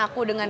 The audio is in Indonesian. aku udah lupa